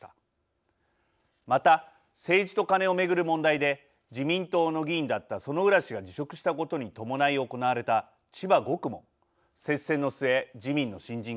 また政治とカネを巡る問題で自民党の議員だった薗浦氏が辞職したことに伴い行われた千葉５区も接戦の末自民の新人が勝利しました。